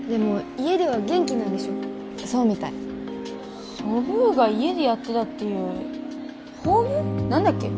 家では元気なんでしょそうみたいソブーが家でやってたっていうホーム何だっけ？